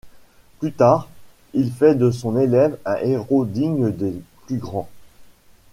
Plus tard, il fait de son élève un héros digne des plus grands.